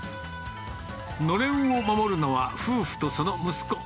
のれんを守るのは、夫婦とその息子。